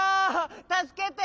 たすけて！